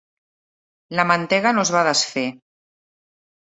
La mantega no es va desfer.